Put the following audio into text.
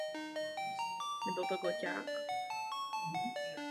V renesančním slohu bylo vystavěno také několik pražských synagog.